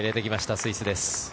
スイスです。